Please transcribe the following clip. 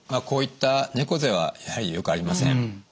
こういった猫背はやはりよくありません。